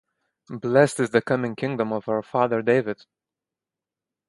Blessed is the coming kingdom of our father David!